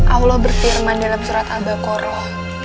allah berfirman dalam surat al baqarah s satu ratus lima puluh lima